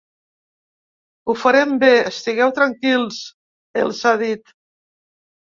“Ho farem bé, estigueu tranquils”, els ha dit.